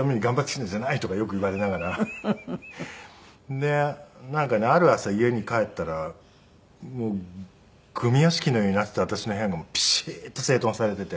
でなんかねある朝家に帰ったらゴミ屋敷のようになっていた私の部屋がピシッと整頓されていて。